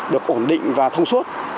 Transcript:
được ổn định và thông suốt